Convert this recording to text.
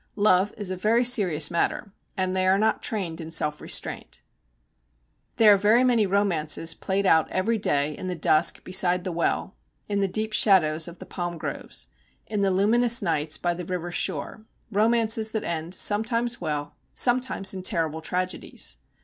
Love is a very serious matter, and they are not trained in self restraint. There are very many romances played out every day in the dusk beside the well, in the deep shadows of the palm groves, in the luminous nights by the river shore romances that end sometimes well, sometimes in terrible tragedies.